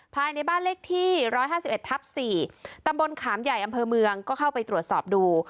ภายในบ้านเลขที่๑๕๑ทับ๔ตำบลขามใหญ่อำเภอเมืองก็เข้าไปตรวจสอบดู